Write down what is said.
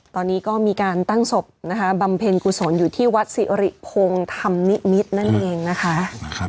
ตอนนี้ก็มีการตั้งศพนะคะบำเพ็ญกุศลอยู่ที่วัดสิริพงศ์ธรรมนิมิตรนั่นเองนะคะ